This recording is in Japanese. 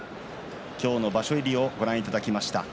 今日の場所入りをご覧いただきました。